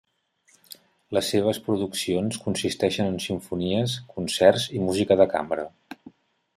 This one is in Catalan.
Les seves produccions consisteixen en simfonies, concerts i música de cambra.